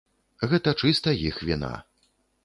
Гэта чыста іх віна.